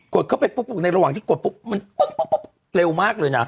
กดเข้าไปในระหว่างที่กดปุ๊บปุ๊บเร็วมากเลยนะ